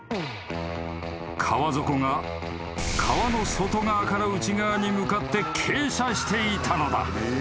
［川底が川の外側から内側に向かって傾斜していたのだ］